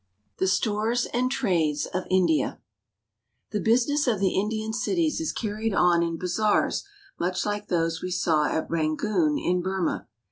THE STORES AND TRADES OF INDIA THE business of the Indian cities is carried on in ba zaars much like those we saw at Rangoon in Burma.